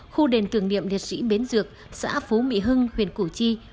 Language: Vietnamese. khu đền tưởng niệm liệt sĩ bến dược xã phú mỹ hưng huyện củ chi